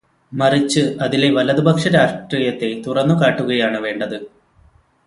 മറിച്ച്, അതിലെ വലതുപക്ഷ രാഷ്ട്രീയത്തെ തുറന്നുകാട്ടുകയാണ് വേണ്ടത്.